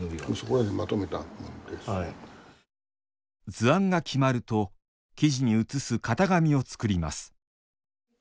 図案が決まると生地にうつす型紙を作ります